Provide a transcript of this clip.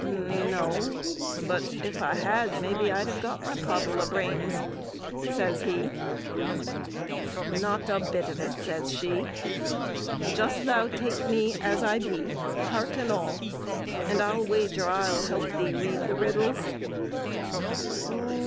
"No; but if I had, maybe I'd have got my pottle o' brains," says he. "Not a bit of it," says she; "just thou take me as I be, heart and all, and I'll wager I'll help thee read the riddles."